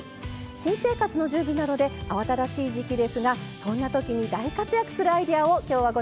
新生活の準備などで慌ただしい時期ですがそんな時に大活躍するアイデアを今日はご紹介します。